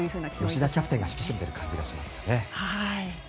吉田キャプテンが引き締めている感じがしますね。